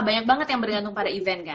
banyak banget yang bergantung pada event kan